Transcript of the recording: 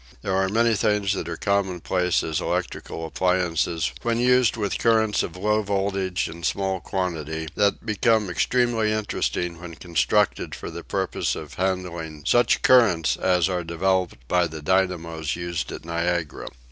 There are many things that are commonplace as electrical appliances when used with currents of low voltage and small quantity, that become extremely interesting when constructed for the purpose of handling such currents as are developed by the dynamos used at Niagara.